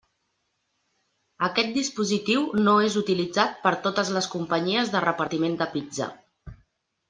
Aquest dispositiu no és utilitzat per totes les companyies de repartiment de pizza.